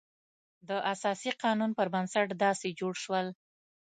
د اساسي قانون پر بنسټ داسې جوړ شول.